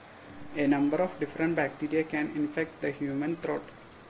A number of different bacteria can infect the human throat.